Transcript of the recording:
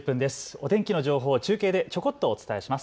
お天気の情報を中継でちょこっとお伝えします。